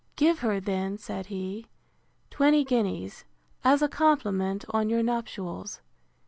Give her, then, said he, twenty guineas, as a compliment on your nuptials.